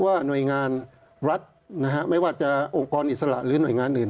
ว่าหน่วยงานรัฐนะฮะไม่ว่าจะองค์กรอิสระหรือหน่วยงานอื่น